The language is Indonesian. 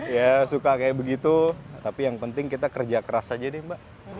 ya suka kayak begitu tapi yang penting kita kerja keras aja deh mbak